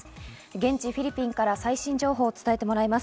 現地フィリピンから最新情報を伝えてもらいます。